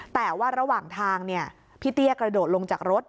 แต่ว่าระหว่างทางพี่เตี้ยกระโดดลงจากรถ